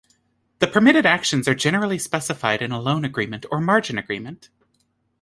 The permitted actions are generally specified in a loan agreement or margin agreement.